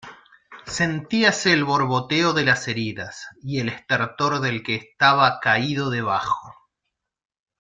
sentíase el borboteo de las heridas, y el estertor del que estaba caído debajo.